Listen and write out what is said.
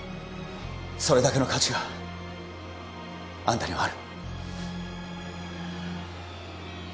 それだけの価値があんたにはある